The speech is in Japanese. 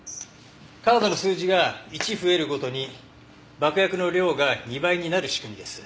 カードの数字が１増えるごとに爆薬の量が２倍になる仕組みです。